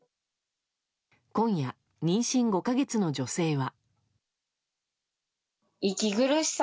今夜、妊娠５か月の女性は。